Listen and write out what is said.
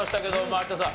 有田さん